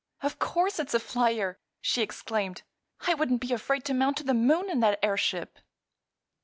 "Of course it's a flyer!" she exclaimed. "I wouldn't be afraid to mount to the moon in that airship."